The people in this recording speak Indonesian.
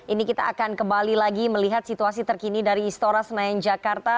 ini kita akan kembali lagi melihat situasi terkini dari istora senayan jakarta